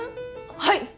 はい！